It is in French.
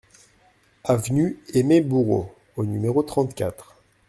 Avenue Aimé Bourreau au numéro trente-quatre